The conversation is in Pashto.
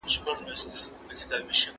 آیا ته غواړې چې له ما سره د غره سر ته وخېژې؟